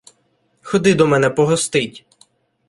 Ходи до мене погостить!